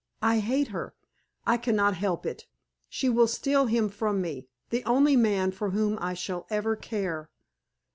I hate her. I can not help it. She will steal him from me the only man for whom I shall ever care.